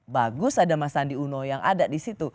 bagus ada mas andi uno yang ada di situ